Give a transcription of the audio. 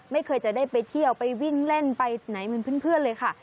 ไม่เคยจะได้ไปเที่ยวไปวิ่งเล่นไปไหนเหมือนเพื่อนเลยค่ะ